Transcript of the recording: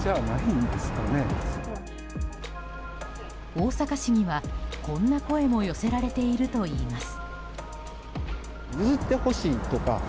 大阪市には、こんな声も寄せられているといいます。